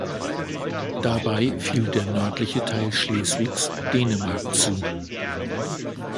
Dabei fiel der nördliche Teil Schleswigs Dänemark zu.